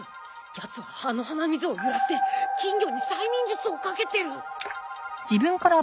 ヤツはあの鼻水を揺らして金魚に催眠術をかけてる！